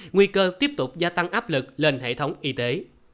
nguy cơ tiếp tục gia tăng áp lực lên hệ thống y tế